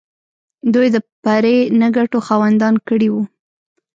دوی د پرې نه ګټو خاوندان کړي وو.